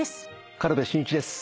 軽部真一です。